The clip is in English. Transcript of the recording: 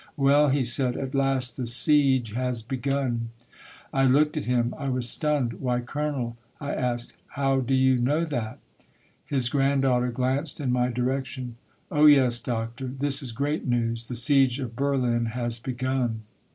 "' Well,' he said, * at last the siege has begun !'*' Hooked at him; I was stunned. * Why, colonel,' I asked, ' how do you know that?' *' His granddaughter glanced in my direction. *'* Oh, yes, doctor ; this is great news ! The siege of Berlin has begun.'